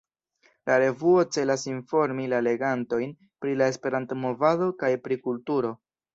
La revuo celas informi la legantojn pri la Esperanto-movado kaj pri kulturo.